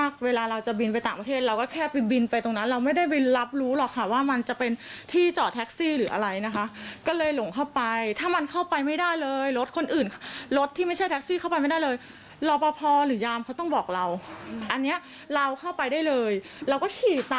เราก็ขี่ตามรถคันอื่นไปเราไม่ได้รู้ว่าไงพี่